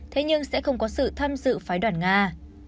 thế nhưng sẽ không có sự tham dự phái đoàn nga